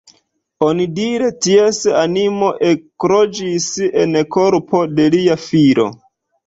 Onidire ties animo ekloĝis en korpo de lia filo.